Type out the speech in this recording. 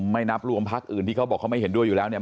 นับรวมพักอื่นที่เขาบอกเขาไม่เห็นด้วยอยู่แล้วเนี่ย